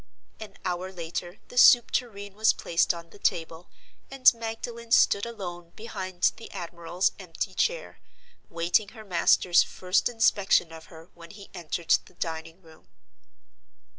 An hour later the soup tureen was placed on the table; and Magdalen stood alone behind the admiral's empty chair, waiting her master's first inspection of her when he entered the dining room.